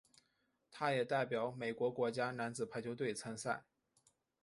他也代表美国国家男子排球队参赛。